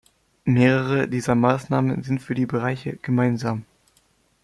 Mehrere dieser Maßnahmen sind für die Bereiche gemeinsam.